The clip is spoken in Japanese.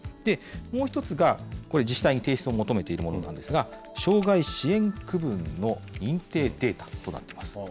もう１つが、これ、自治体に提出を求めているものなんですが、障害支援区分の認定データとなります。